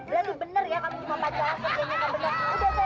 berarti bener ya kamu mau pacaran sebenernya kan bener